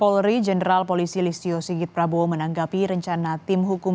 terkait dugaan kecurangan yang terjadi selama proses pemilu